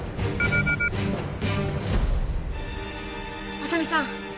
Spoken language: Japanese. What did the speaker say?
浅見さん。